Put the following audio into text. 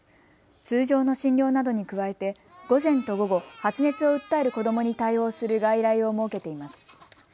通常の診療などに加えて午前と午後、発熱を訴える子どもに対応する外来を設けています。